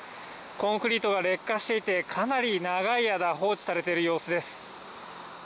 コンクリートが劣化していて、かなり長い間、放置されている様子です。